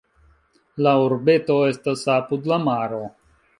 La urbeto estas apud la maro.